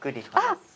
あっ！